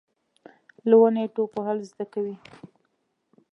له ونې ټوپ وهل زده کوي .